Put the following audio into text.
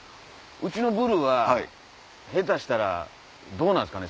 うちのぶるは下手したらどうなんですかね？